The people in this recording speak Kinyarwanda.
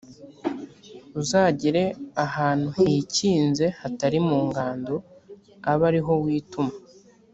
uzagire ahantu hikinze hatari mu ngando, abe ari ho wituma.